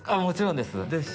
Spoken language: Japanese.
もちろんです。